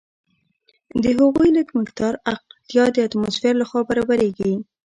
د هغوی لږ مقدار اړتیا د اټموسفیر لخوا برابریږي.